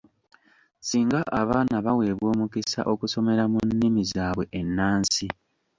Singa abaana baweebwa omukisa okusomera mu nnimi zaabwe ennansi.